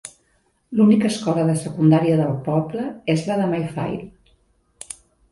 L'única escola de secundària del poble és la de Mayfield.